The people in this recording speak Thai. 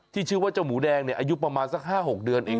ชื่อว่าเจ้าหมูแดงอายุประมาณสัก๕๖เดือนเอง